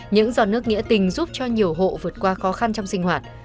những giọt nước nghĩa tình giúp cho nhiều hộ vượt qua khó khăn trong sinh hoạt